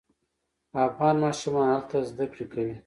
افغان ماشومان هلته زده کړې کوي.